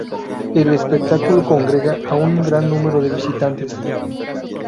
El espectáculo congrega a un gran número de visitantes.